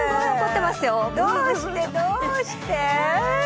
どうして、どうして？